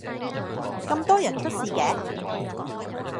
咁多人出事嘅?